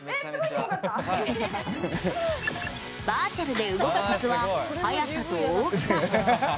バーチャルで動くコツは速さと大きさ。